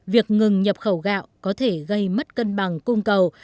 việc ngừng nhập khẩu gạo có thể gây mất cân bằng cung cầu